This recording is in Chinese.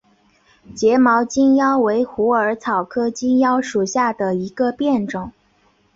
睫毛金腰为虎耳草科金腰属下的一个变种。